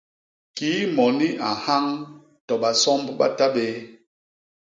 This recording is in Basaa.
Kii moni a nhañ to basomb ba ta bé.